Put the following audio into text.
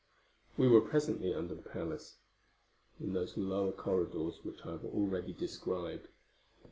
We were presently under the palace, in those lower corridors which I have already described.